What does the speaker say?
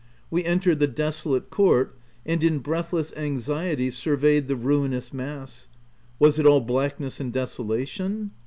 We entered the desolate court, and in breathless anxiety surveyed the ruinous mass. Was it all blackness and desolation